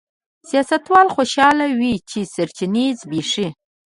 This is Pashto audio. سیاستوال خوشاله وي چې سرچینې زبېښي.